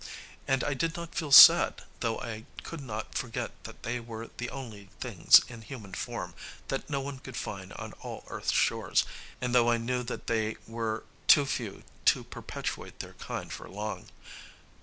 And I did not feel sad, though I could not forget that they were the only things in human form that one could find on all earth's shores, and though I knew that they were too few to perpetuate their kind for long.